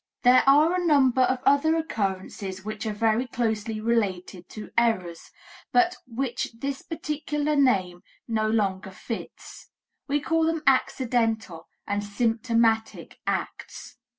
There are a number of other occurrences which are very closely related to errors, but which this particular name no longer fits. We call them accidental and symptomatic acts.